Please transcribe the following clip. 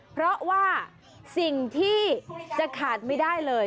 เพราะว่าสิ่งที่จะขาดไม่ได้เลย